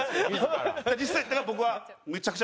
実際だから僕は。